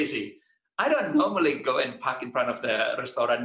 saya tidak biasanya pergi dan menginap di depan pintu restoran